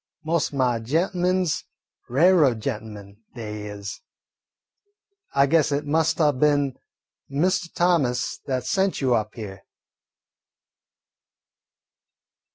Most o' my gent'men 's railroad gent'men, they is. I guess it must 'a' been Mr. Thomas that sent you up here."